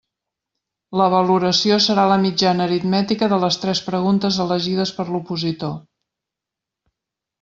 La valoració serà la mitjana aritmètica de les tres preguntes elegides per l'opositor.